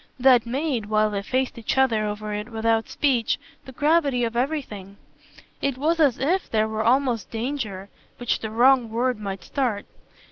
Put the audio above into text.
That made, while they faced each other over it without speech, the gravity of everything. It was as if there were almost danger, which the wrong word might start.